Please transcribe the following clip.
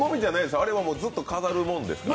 あれはずっと飾るものですから。